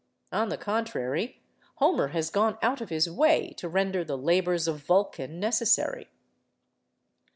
On the contrary, Homer has gone out of his way to render the labours of Vulcan necessary.